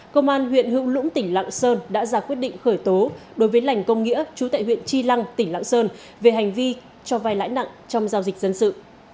công an huyện hữu lũng tỉnh lạng sơn đã ra quyết định khởi tố đối với lành công nghĩa chú tại huyện chi lăng tỉnh lạng sơn về hành vi cho vai lãi nặng trong giao dịch dân sự